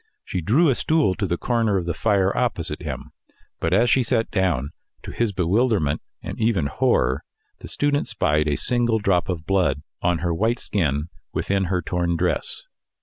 She drew a stool to the corner of the fire opposite him. But as she sat down, to his bewilderment, and even horror, the student spied a single drop of blood on her white skin within her torn dress.